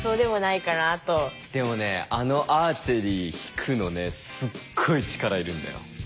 でもねあのアーチェリー引くのねすっごい力いるんだよ。